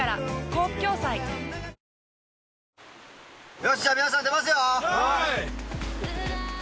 よっしゃ、皆さん、出ますよ。